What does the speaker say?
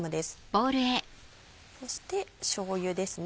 そしてしょうゆですね。